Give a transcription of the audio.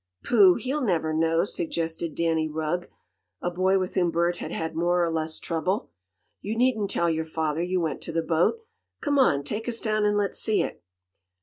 "Pooh! He'll never know," suggested Danny Rugg, a boy with whom Bert had had more or less trouble. "You needn't tell your father you went to the boat. Come on, take us down and let's see it."